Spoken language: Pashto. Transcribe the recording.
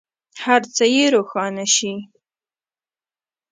هر څه یې روښانه شي.